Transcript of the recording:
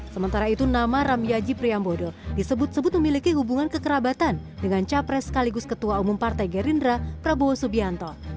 sementara itu nama ramyaji priyambodo disebut sebut memiliki hubungan kekerabatan dengan capres sekaligus ketua umum partai gerindra prabowo subianto